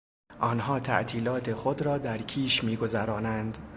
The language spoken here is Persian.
آنها تعطیلات خود را در کیش میگذرانند.